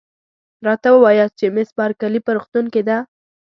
راته ووایاست چي مس بارکلي په روغتون کې ده؟